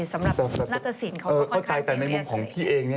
สำหรับนัตรสินเขาก็ค่อนข้างเสียในในมุมของพี่เอง